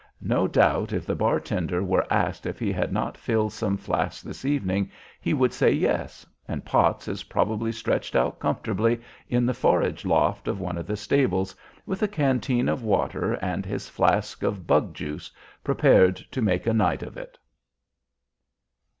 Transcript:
No doubt if the bar tender were asked if he had not filled some flasks this evening he would say yes, and Potts is probably stretched out comfortably in the forage loft of one of the stables, with a canteen of water and his flask of bug juice, prepared to make a night of it."